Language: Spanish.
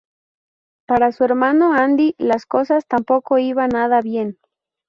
Para su hermano Andy las cosas tampoco iban nada bien.